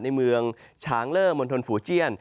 ในเมืองฉางเลอร์มณฑลฝูเจียน